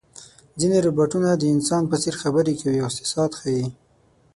ځینې روباټونه د انسان په څېر خبرې کوي او احساسات ښيي.